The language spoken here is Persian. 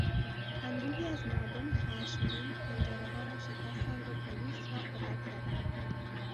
انبوهی از مردم خشمگین پنجرهها را شکستند و پلیس را کتک زدند.